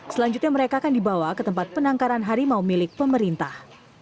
selanjutnya mereka akan dibawa ke tempat penangkaran harimau milik pemerintah